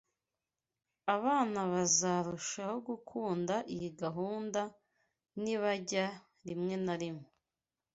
Abana bazarushaho gukunda iyi gahunda nibajya rimwe na rimwe